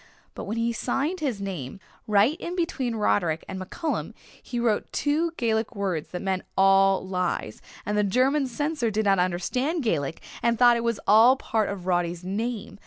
But when he signed his name, right in between Roderick and MacCallum, he wrote two Gaelic words that meant 'all lies' and the German censor did not understand Gaelic and thought it was all part of Roddy's name.